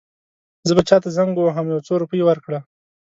زه به چاته زنګ ووهم یو څو روپۍ ورکړه.